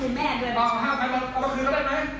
เหลือเป็นเงินสดเท่าไหร่อาจจะเป็นอยู่ตัวเล่เอาเงินสด